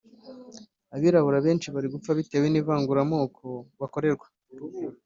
Abirabura benshi bari gupfa bitewe n’ivangura moko bakorerwa